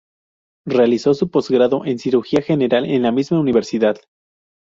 Realizó su postgrado en cirugía general en la misma universidad.